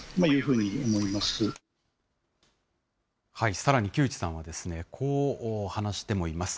さらに木内さんはですね、こう話してもいます。